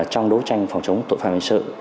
trong đấu tranh phòng chống tội phạm